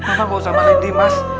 mama nggak usah mandiin dimas